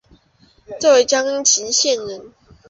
浙江鄞县人。